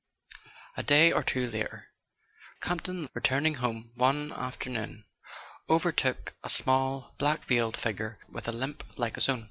A day or two later Campton, returning home one after¬ noon, overtook a small black veiled figure with a limp like his own.